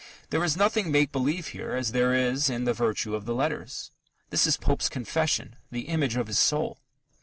There is nothing make believe here as there is in the virtue of the letters. This is Pope's confession, the image of his soul.